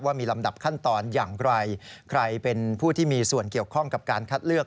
มีลำดับขั้นตอนอย่างไรใครเป็นผู้ที่มีส่วนเกี่ยวข้องกับการคัดเลือก